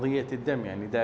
kita menjaga keadaan kita